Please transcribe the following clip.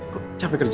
kok cape kerja